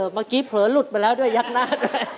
เมื่อกี้เผลอหลุดไปแล้วด้วยยักหน้า